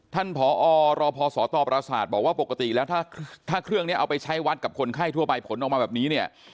ท่านผอรพศตประสาทบอกว่าปกติแล้วถ้าเครื่องนี้เอาไปใช้วัดกับคนไข้ทั่วไปผลออกมาแบบนี้เนี่ย